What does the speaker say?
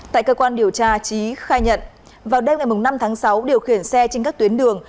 tại cơ quan điều tra trí khai nhận vào đêm ngày năm tháng sáu điều khiển xe trên các tuyến đường